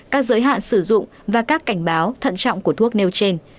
các giới hạn sử dụng và các cảnh báo thận trọng của thuốc nêu trên